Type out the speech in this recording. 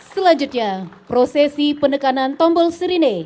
selanjutnya prosesi penekanan tombol sirine